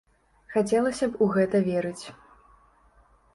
Хацелася б у гэта верыць.